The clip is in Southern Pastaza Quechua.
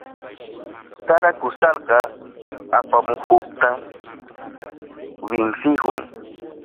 Sara kustalka apamuhukta winsihun.